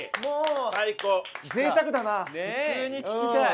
普通に聴きたい！